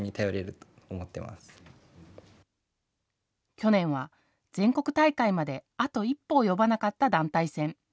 去年は全国大会まであと一歩及ばなかった団体戦。